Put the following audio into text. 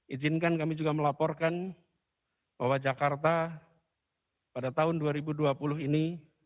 izinkan kami juga melaporkan bahwa jakarta pada tahun dua ribu dua puluh ini